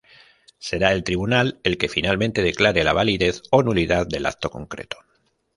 Será el tribunal el que finalmente declare la validez o nulidad del acto concreto.